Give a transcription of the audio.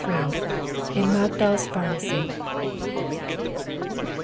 IN MAGDAL'S PHARMACY.